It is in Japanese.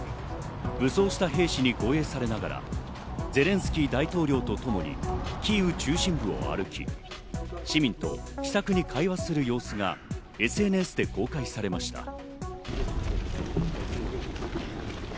武装した兵士に護衛されながら、ゼレンスキー大統領とともにキーウ中心部を歩き、市民と気さくに会話する様子がＳＮＳで公開されました。